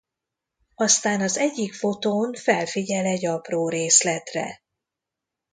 Aztán az egyik fotón felfigyel egy apró részletre.